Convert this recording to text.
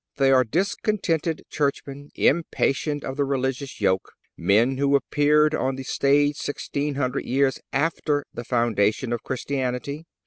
They are discontented churchmen impatient of the religious yoke, men who appeared on the stage sixteen hundred years after the foundation of Christianity.